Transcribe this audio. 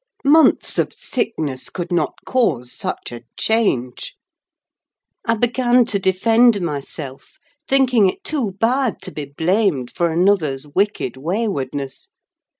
Months of sickness could not cause such a change!" I began to defend myself, thinking it too bad to be blamed for another's wicked waywardness.